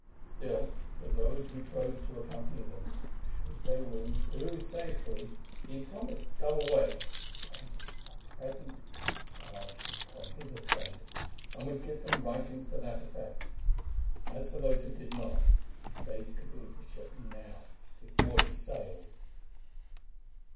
Still, to those who chose to accompany them, should they win through safely, he promised double wage, and a present charged upon his estate, and would give them writings to that effect. As for those who did not, they could leave the ship now before she sailed.